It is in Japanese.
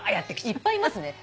いっぱいいますね。